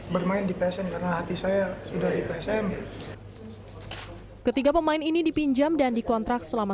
bermain di psm karena hati saya sudah di psm ketiga pemain ini dipinjam dan dikontrak selama